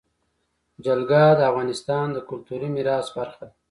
جلګه د افغانستان د کلتوري میراث برخه ده.